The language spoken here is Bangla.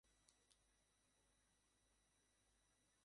এখানেই মানবজাতির শ্রেষ্ঠ আদর্শগুলি বিদ্যমান।